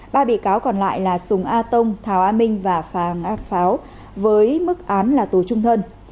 ba bị cáo còn lại là súng a tông thảo a minh và phàng a páo với mức án là tù trung thân